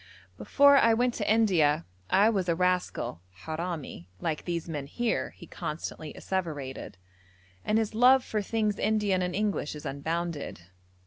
'Before I went to India I was a rascal (harami) like these men here,' he constantly asseverated, and his love for things Indian and English is unbounded.